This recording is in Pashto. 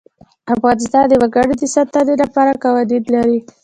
افغانستان د وګړي د ساتنې لپاره قوانین لري.